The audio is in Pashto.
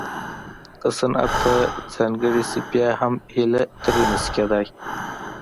که صنعت ته ځانګړې شي بیا هم هیله ترې نه شي کېدای